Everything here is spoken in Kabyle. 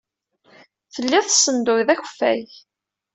Telliḍ tessenduyeḍ akeffay.